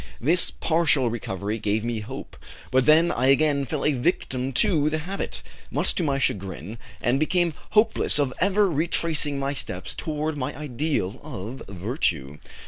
This partial recovery gave me hope, but then I again fell a victim to the habit, much to my chagrin, and became hopeless of ever retracing my steps toward my ideal of virtue.